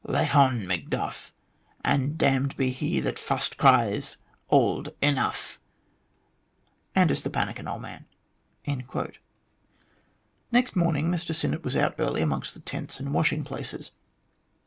Lay hon, Afacduff t and damned be he that fust cries, 'Old, enough ! 'And us the pannikin, old man." Next morning Mr Sinnett was out early amongst the tents .and washing places.